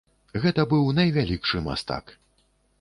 Гэта быў найвялікшы мастак.